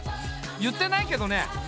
言ってないけどね。